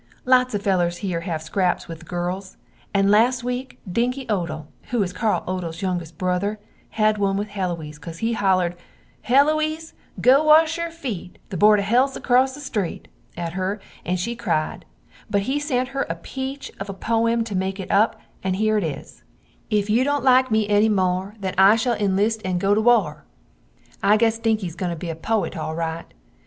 Lots of the fellers hear have scraps with the girls, and last weak Dinky Odell who is Carl Odells yungist brother had one with Heloise because he hollerd, Heloise go wash your feet, the bord of helths across the street, at her and she cried, but he sent her a peach of a poim to make up, and hear it is, "If you dont like me enny more, then I shall inlist and go to war!" I guess Dinky is goin to be a poit al rite.